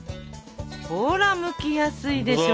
ほらむきやすいでしょ。